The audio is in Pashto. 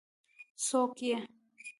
څوک يې؟